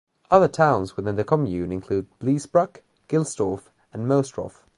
Other towns within the commune include Bleesbruck, Gilsdorf and Moestroff.